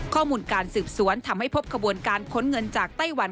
ข้อมูลการสืบสวนทำให้พบขบวนการค้นเงินจากไต้หวัน